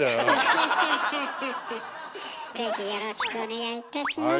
是非よろしくお願いいたします。